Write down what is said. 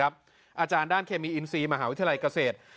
อาจารย์ด้านเคมีอินซีมหาวิทยาลัยเกษตร